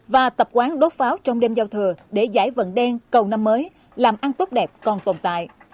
và tập quán đốt pháo trong đêm giao thừa để giải vận đen cầu năm mới làm ăn tốt đẹp còn tồn tại